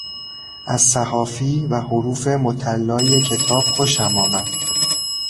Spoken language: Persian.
از صحافی و حروف مطلای کتاب خوشم آمد.